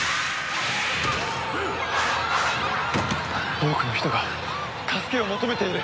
多くの人が助けを求めている！